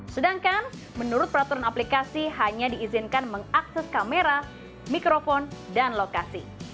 sedangkan menurut peraturan aplikasi hanya diizinkan mengakses kamera mikrofon dan lokasi